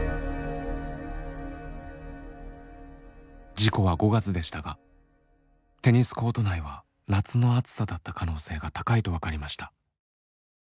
事故は５月でしたがテニスコート内は夏の暑さだった可能性が高いと分かりました。